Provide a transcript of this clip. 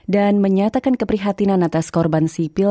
dan menyatakan keprihatinan atas korban sipil